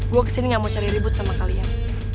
gue kesini gak mau cari ribut sama kalian